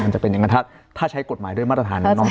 มันจะเป็นอย่างนั้นถ้าใช้กฎหมายด้วยมาตรฐานนั้นเนาะ